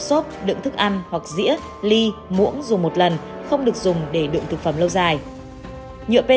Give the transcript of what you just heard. xốp đựng thức ăn hoặc dĩa ly muỗng dùng một lần không được dùng để đựng thực phẩm lâu dài nhựa p